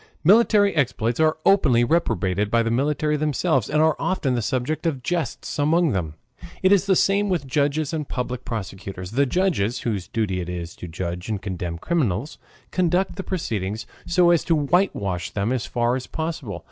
Military exploits are openly reprobated by the military themselves, and are often the subject of jests among them. It is the same with judges and public prosecutors. The judges, whose duty it is to judge and condemn criminals, conduct the proceedings so as to whitewash them as far as possible.